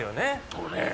そうね。